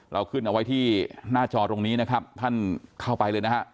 เราขึ้นเอาไว้ที่หน้าจอตรงนี้นะครับท่านเข้าไปเลยนะฮะ